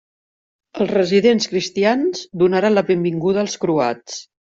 Els residents cristians donaren la benvinguda als croats.